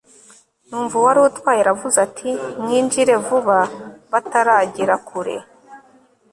numva uwarutwaye aravuze ati mwinjire vuba bataragera kure